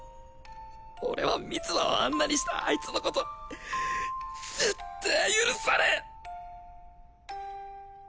俺は三葉をあんなにしたあいつのことぜってえ許さねえ！